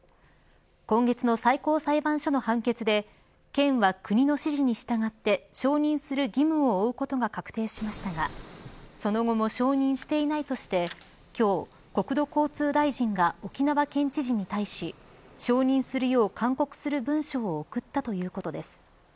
今月の最高裁判所の判決で県は、国の指示に従って承認する義務を負うことが確定しましたがその後も承認していないとして今日、国土交通大臣が沖縄県知事に対し承認するよう勧告する文書を送ったということです。